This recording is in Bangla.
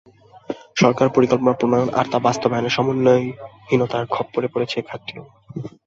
সরকারি পরিকল্পনা প্রণয়ন আর তা বাস্তবায়নে সমন্বয়হীনতার খপ্পরে পড়েছে এ খাতটিও।